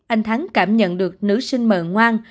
anh thắng cảm nhận được nữ sinh m ngoan